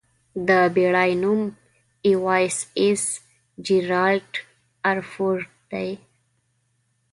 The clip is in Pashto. د بېړۍ نوم 'یواېساېس جېرالډ ار فورډ' دی.